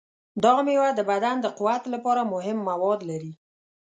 دا میوه د بدن د قوت لپاره مهم مواد لري.